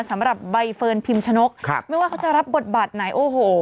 สำหรับใบเฟิร์นพิมชนกครับไม่ว่าเขาจะรับบทบาทไหนโอ้โห